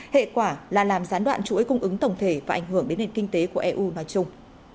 hệ quả là làm gián đoạn chuỗi cung ứng tổng thể và ảnh hưởng đến nền kinh tế của eu nói chung